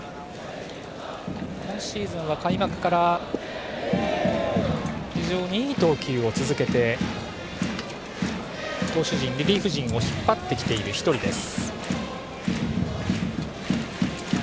今シーズンは開幕から非常にいい投球を続けて投手陣、リリーフ陣を引っ張ってきている１人です。